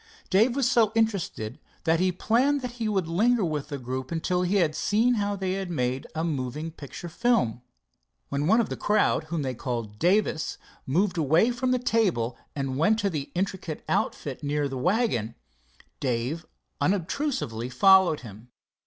Dave was so interested that he planned that he would linger with the group till he had seen how they made a moving picture film. When one of the crowd whom they called Davis moved away from the table and went to the intricate outfit near the wagon, Dave unobtrusively followed him.